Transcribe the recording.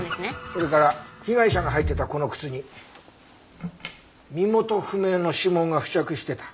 それから被害者が履いていたこの靴に身元不明の指紋が付着してた。